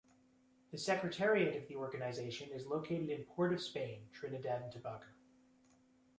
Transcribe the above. The secretariat of the organisation is located in Port of Spain, Trinidad and Tobago.